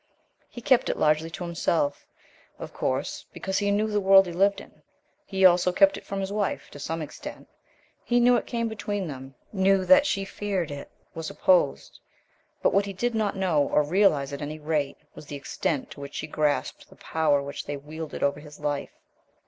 He kept it largely to himself, of course, because he knew the world he lived in. HE also kept it from his wife to some extent. He knew it came between them, knew that she feared it, was opposed. But what he did not know, or realize at any rate, was the extent to which she grasped the power which they wielded over his life.